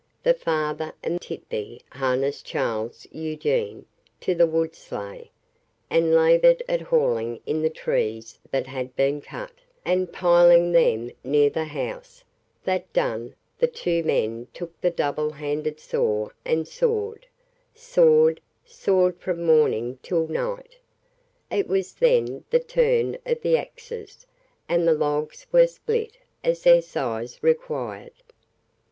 The father and Tit'Bé harnessed Charles Eugene to the wood sleigh, and laboured at hauling in the trees that had been cut, and piling them near the house; that done, the two men took the double handed saw and sawed, sawed, sawed from morning till night; it was then the turn of the axes, and the logs were split as their size required.